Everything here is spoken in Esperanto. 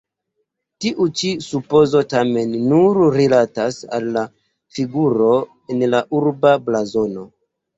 Tiu ĉi supozo tamen nur rilatas al la figuro en la urba blazono.